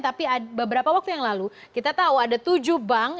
tapi beberapa waktu yang lalu kita tahu ada tujuh bank